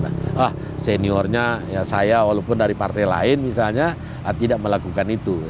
ah seniornya saya walaupun dari partai lain misalnya tidak melakukan itu